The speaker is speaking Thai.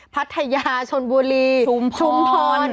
พัทยาชนบุรีชุมพร